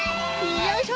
よいしょ！